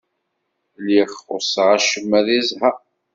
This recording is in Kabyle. Lliɣ xuṣṣeɣ acemma di ẓẓher.